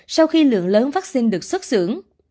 sau khi lượng lớn vaccine được xuất xưởng